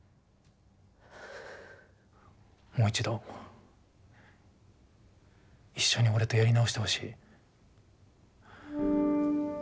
もう一度一緒に俺とやり直してほしい。